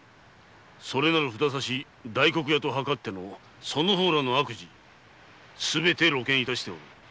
それなる札差し大黒屋と図ってのその方らの悪事すべて露見しておる。